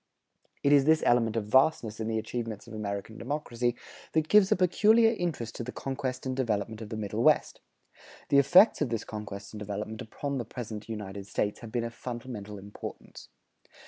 It is this element of vastness in the achievements of American democracy that gives a peculiar interest to the conquest and development of the Middle West. The effects of this conquest and development upon the present United States have been of fundamental importance.